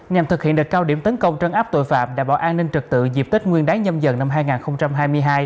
nhằm thực hiện được cao điểm tấn công trân áp tội phạm đảm bảo an ninh trật tự dịp tết nguyên đán nhâm dần năm hai nghìn hai mươi hai